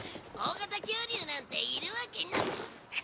大型恐竜なんているわけな。